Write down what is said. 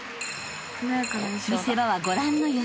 ［見せ場はご覧の４つ］